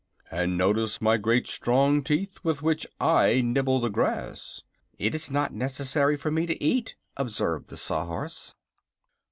"And notice my great strong teeth, with which I nibble the grass." "It is not necessary for me to eat," observed the Saw horse.